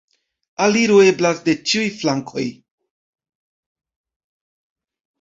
Aliro eblas de ĉiuj flankoj.